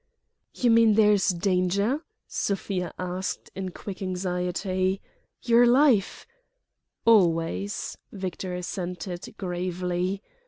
"You mean there is danger?" Sofia asked in quick anxiety. "Your life—?" "Always," Victor assented, gravely.